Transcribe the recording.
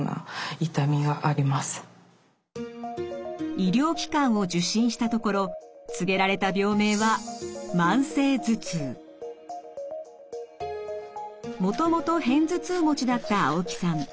医療機関を受診したところ告げられた病名はもともと片頭痛持ちだった青木さん。